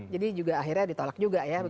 jadi juga akhirnya ditolak juga ya